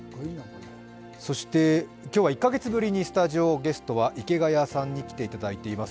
そして、今日は１カ月ぶりにスタジオゲストは池谷さんに来ていただいています。